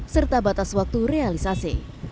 serta batas waktu realisasi